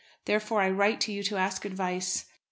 Therefore, I write to you to ask advice.